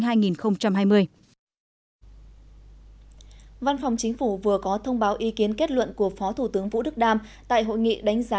văn phòng chính phủ vừa có thông báo ý kiến kết luận của phó thủ tướng vũ đức đam tại hội nghị đánh giá